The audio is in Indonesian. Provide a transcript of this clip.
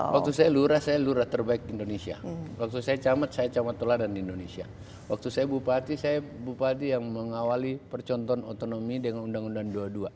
waktu saya lurah saya lurah terbaik di indonesia waktu saya camat saya camat teladan di indonesia waktu saya bupati saya bupati yang mengawali percontohan otonomi dengan undang undang dua puluh dua